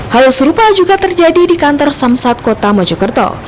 hal serupa juga terjadi di kantor samsat kota mojokerto